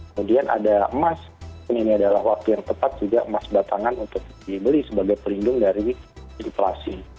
kemudian ada emas ini adalah waktu yang tepat juga emas batangan untuk dibeli sebagai pelindung dari inflasi